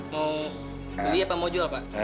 mau beli apa mau jual pak